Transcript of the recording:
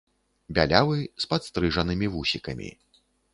Бялявы, з падстрыжанымі вусікамі.